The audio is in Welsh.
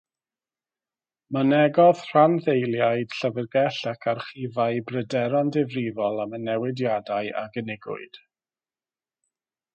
Mynegodd rhanddeiliaid Llyfrgell ac Archifau bryderon difrifol am y newidiadau a gynigiwyd.